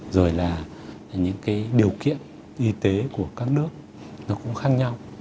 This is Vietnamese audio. rồi là những điều kiện y tế của các nước cũng khác nhau